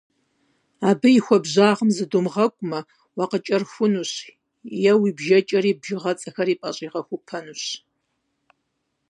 Абы и хуабжьагъым зыдомыгъэкӏумэ, уакъыкӏэрыхунущ е уи бжэкӏэри бжыгъэцӏэхэри пӏэщӏигъэхупэнущ.